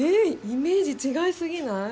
イメージ違いすぎない？